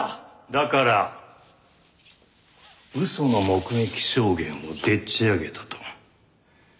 だから嘘の目撃証言をでっち上げたと。